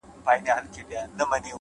نیک اخلاق د انسان اصلي ښکلا ده،